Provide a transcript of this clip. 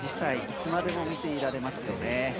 いつまでも見ていられますよね。